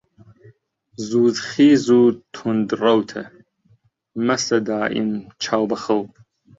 زوودخیز و توند ڕەوتە، مەستە دائیم چاو بە خەو